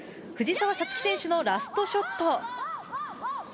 藤澤五月選手のラストショット。